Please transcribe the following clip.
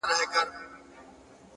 لوړ اخلاق اوږد اغېز پرېږدي,